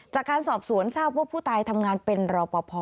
จากการสอบสวนทราบว่าผู้ตายทำงานเป็นรอปภ